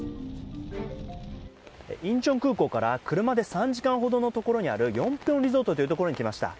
インチョン空港から車で３時間ほどの所にある、ヨンピョンリゾートという所に来ました。